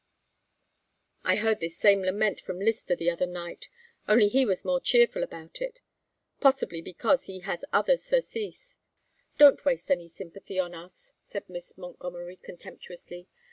"I heard this same lament from Lyster the other night; only he was more cheerful about it possibly because he has other surcease " "Don't waste any sympathy on us," said Miss Montgomery, contemptuously.